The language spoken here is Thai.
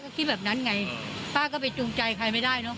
ก็คิดแบบนั้นไงป้าก็ไปจูงใจใครไม่ได้เนอะ